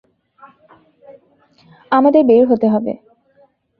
আমাদের বের হতে হবে।